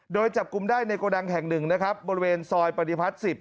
โดยจับกลุ้มได้ในกระดังแห่ง๑บริเวณซอยปริพัฒน์๑๐